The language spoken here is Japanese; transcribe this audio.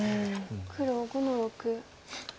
黒５の六。